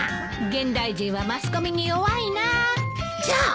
現代人はマスコミに弱いなあ。